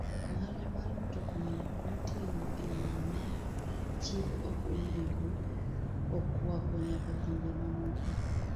Ohala mar mtokni mitero e yo ma chik ok oyiego okwako nyaka pinje mamoko.